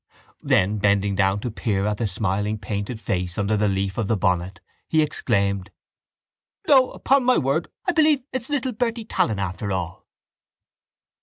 Then, bending down to peer at the smiling painted face under the leaf of the bonnet, he exclaimed: —No! Upon my word I believe it's little Bertie Tallon after all!